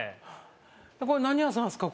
これ何屋さんすか？